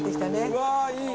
うわーいい！